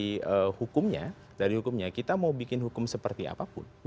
dari hukumnya dari hukumnya kita mau bikin hukum seperti apapun